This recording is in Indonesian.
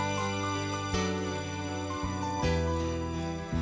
kalu kagak mana mawanya teman ama dia